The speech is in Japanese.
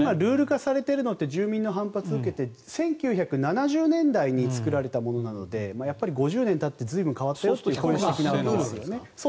今ルール化されているのって住民の反発を受けて１９７０年代に作られたものなのでやっぱり５０年たって随分変わっているので。